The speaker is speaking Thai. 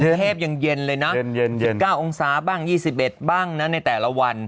เทพยังเย็นเลยนะ๙องศาบ้าง๒๑บ้างนะในแต่ละวัน